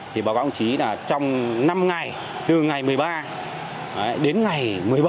thì báo cáo công chí là trong năm ngày từ ngày một mươi ba đến ngày một mươi bảy